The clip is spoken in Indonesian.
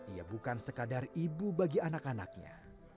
ia bukan sekadar ibu bagi anak anaknya